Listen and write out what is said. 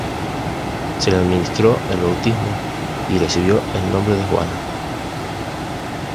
Se le administró el bautismo y recibió el nombre de Juana.